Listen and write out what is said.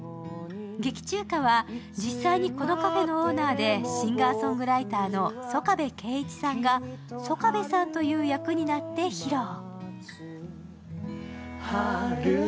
劇中歌は実際にこのカフェのオーナーで、シンガーソングライターの曽我部恵一さんがソカベさんという役になって披露。